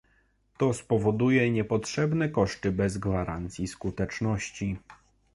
To spowoduje niepotrzebne koszty bez gwarancji skuteczności